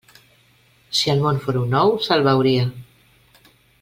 Si el món fóra un ou, se'l beuria.